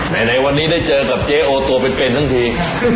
ในวันนี้ได้เจอกับเจ๊โอตัวเป็นทั้งที